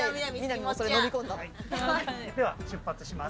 では出発します！